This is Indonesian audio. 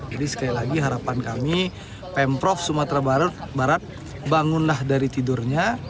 jadi sekali lagi harapan kami pemprov sumatera barat bangunlah dari tidurnya